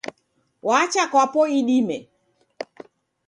Wacha kwapo idime.